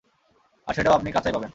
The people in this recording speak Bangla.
আর সেটাও আপনি কাঁচাই পাবেন।